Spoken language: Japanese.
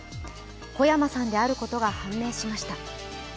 小山さんであることが判明しました。